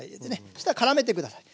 そしたらからめて下さい。